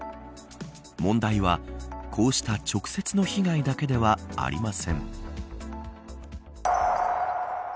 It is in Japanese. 問題は、こうした直接の被害だけではありません。